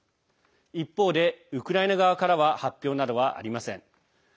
一方でウクライナ側からは発表などはありません。